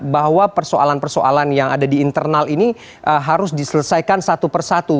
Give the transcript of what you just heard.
bahwa persoalan persoalan yang ada di internal ini harus diselesaikan satu persatu